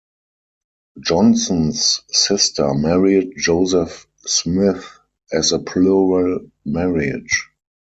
Johnson's sister married Joseph Smith as a plural marriage.